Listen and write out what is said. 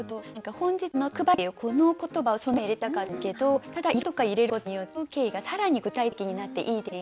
「本日の特売」っていうこの言葉をそのまま入れたかったんですけどただ色とか入れることによって風景が更に具体的になっていいですね。